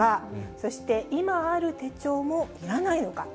そして今ある手帳もいらないのか。